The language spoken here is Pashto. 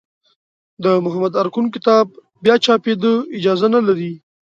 د محمد ارکون کتاب بیا چاپېدا اجازه نه لري.